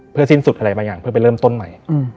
สิ้นสุดอะไรบางอย่างเพื่อไปเริ่มต้นใหม่